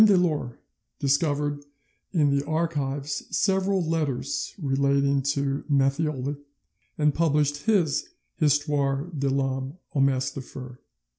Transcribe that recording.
Delort discovered in the archives several letters relating to Matthioli, and published his Histoire de l'Homme au Masque de Fer (8vo).